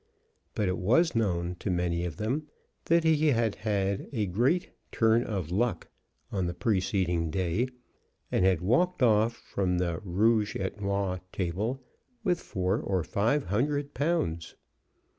But it was known to many of them that he had had a great "turn of luck" on the preceding day, and had walked off from the "rouge et noir" table with four or five hundred pounds.